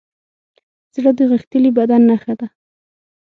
زړه د غښتلي بدن نښه ده.